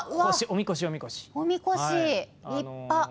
おみこし、立派。